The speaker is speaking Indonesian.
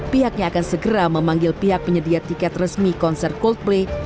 pihaknya akan segera memanggil pihak penyedia tiket resmi konser coldplay